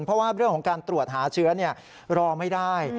เพราะว่าเรื่องของการตรวจหาเชื้อรอไม่ได้